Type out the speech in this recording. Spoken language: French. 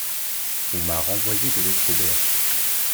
On m’a renvoyé de l’autre auberge.